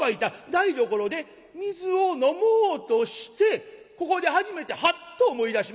台所で水を飲もうとしてここで初めてハッと思い出しまして。